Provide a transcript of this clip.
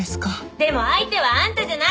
でも相手はあんたじゃない！